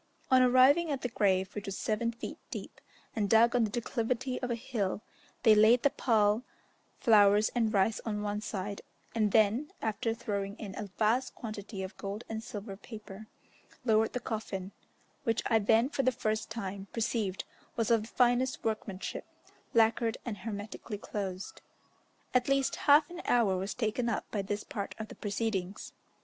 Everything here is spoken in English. On arriving at the grave, which was seven feet deep, and dug on the declivity of a hill, they laid the pall, flowers, and rice on one side, and then, after throwing in a vast quantity of gold and silver paper, lowered the coffin, which I then for the first time perceived was of the finest workmanship, lacquered and hermetically closed. At least half an hour was taken up by this part of the proceedings.